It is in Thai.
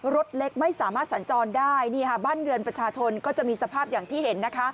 รถเล็กไม่สามารถสันจรได้บ้านเงินประชาชนก็จะมีสภาพอย่างที่เห็น